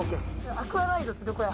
アクアライドってどこや？